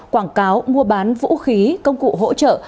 quảng cáo mua bán vũ khí công cụ hỗ trợ